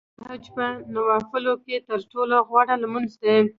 تهجد په نوافلو کې تر ټولو غوره لمونځ دی .